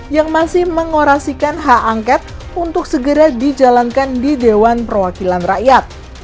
yang masih mengorasikan hak angket untuk segera dijalankan di dewan perwakilan rakyat